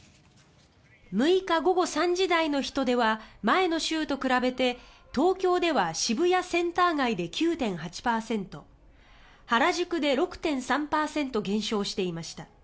６日午後３時台の人出は前の週と比べて東京では渋谷センター街で９．８％原宿で６．３％減少していました。